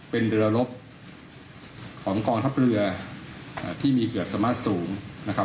เป็นเรือลบของกองทัพเรือที่มีเหลือสามารถสูง